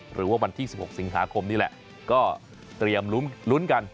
วันที่๑๖สิงหาคมนี่แหละก็เตรียมลุ้นกัน